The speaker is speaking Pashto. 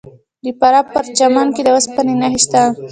د فراه په پرچمن کې د وسپنې نښې شته.